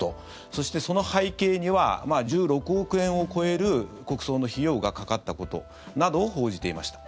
そして、その背景には１６億円を超える国葬の費用がかかったことなどを報じていました。